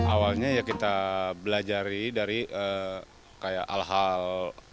awalnya ya kita belajari dari kayak hal hal